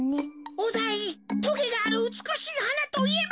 おだいとげがあるうつくしいはなといえば？